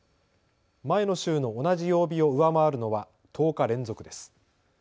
前の週の同じ曜日を上回るのは１０日連続です。